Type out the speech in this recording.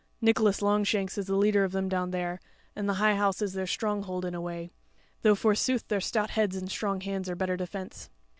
Nicholas Longshanks is the leader of them down there, and the High House is their stronghold in a way; though forsooth their stout heads and strong hands are better defence."